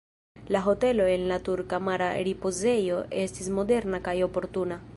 La hotelo en la turka mara ripozejo estis moderna kaj oportuna.